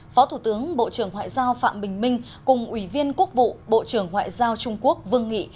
phó thủ tướng bộ trưởng ngoại giao phạm bình minh cùng ủy viên quốc vụ bộ trưởng ngoại giao trung quốc vương nghị